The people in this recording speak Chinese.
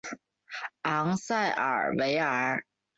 昂塞尔维尔。